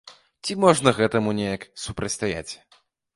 Ці можна гэтаму неяк супрацьстаяць?